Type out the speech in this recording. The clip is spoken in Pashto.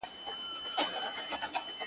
یوه ورځ کفن کښ زوی ته ویل ګرانه!!